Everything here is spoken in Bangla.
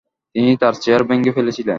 তিনি তার চেয়ার ভেঙ্গে ফেলেছিলেন।